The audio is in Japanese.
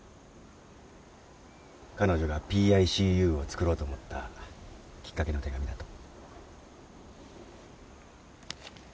彼女がＰＩＣＵを作ろうと思ったきっかけの手紙だと。